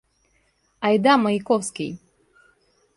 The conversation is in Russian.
Айда, Маяковский!